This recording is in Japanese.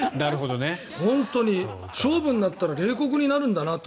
勝負になったら冷酷になるんだなと。